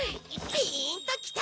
ピーンときた！